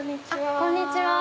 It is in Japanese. こんにちは。